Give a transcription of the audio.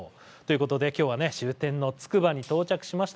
きょうは終点のつくばに到着しました。